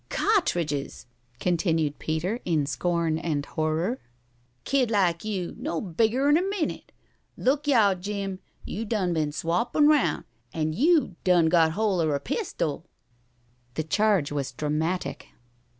"Ca'tridgers!" continued Peter, in scorn and horror. "Kid like you! No bigger'n er minute! Look yah, Jim, you done been swappin' round, an' you done got hol' of er pistol!" The charge was dramatic.